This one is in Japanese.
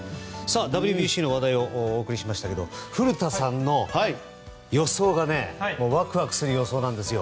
ＷＢＣの話題をお送りましたが古田さんの予想がワクワクする予想なんですよ。